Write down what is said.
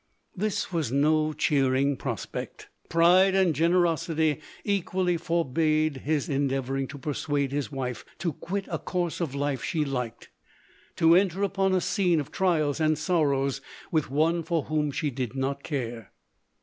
This was no cheering prospect. Pride and generosity equally forbad his endeavouring to persuade his wife to quit a course of life she liked, to enter upon a scene of trials and sorrows with one for whom she did not care.